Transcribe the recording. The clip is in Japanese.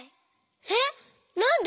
えっなんで？